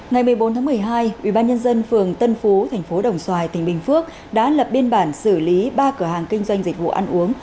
ngày một mươi bốn tháng một mươi hai ubnd phường tân phú tp đồng xoài tỉnh bình phước đã lập biên bản xử lý ba cửa hàng kinh doanh dịch vụ ăn uống